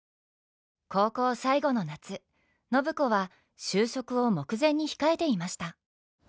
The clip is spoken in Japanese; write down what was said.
高校最後の夏暢子は就職を目前に控えていました。